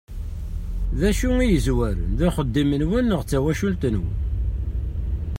D acu i yezwaren, d axeddim-nwen neɣ d tawacult-nwen?